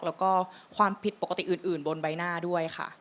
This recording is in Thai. แล้วก็ความผิดปกติอื่นบนใบหน้าด้วยค่ะ